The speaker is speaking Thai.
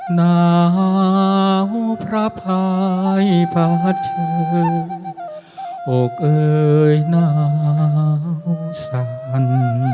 หน้าพระพายปาเชิงอกเอ่ยหน้าสัน